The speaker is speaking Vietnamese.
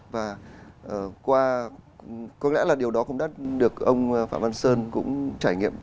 và có lẽ là điều đó cũng đã được ông phạm văn sơn cũng trải nghiệm